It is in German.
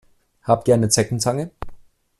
Habt ihr eine Zeckenzange?